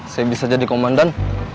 saya bisa jadikan